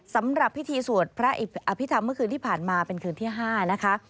สำหรับพิธีสวดพระอภิษฐรรมเมื่อคืนที่ผ่านมาเป็นคืนที่๕นะคะ